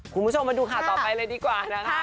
คุณผู้ชมมาดูข่าวต่อไปเลยดีกว่านะคะ